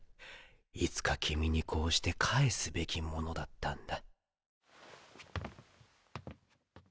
いつか君にこうして返すべきものだったんだ。